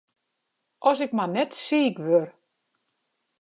As ik mar net siik wurd!